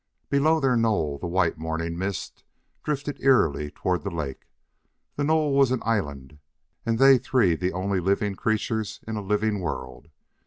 Below their knoll the white morning mist drifted eerily toward the lake; the knoll was an island and they three the only living creatures in a living world.